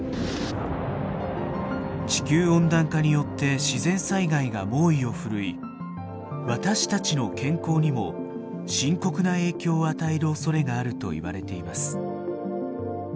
地球温暖化によって自然災害が猛威を振るい私たちの健康にも深刻な影響を与えるおそれがあるといわれています。